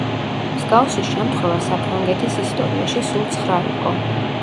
მსგავსი შემთხვევა საფრანგეთის ისტორიაში სულ ცხრა იყო.